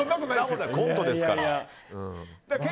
コントですから。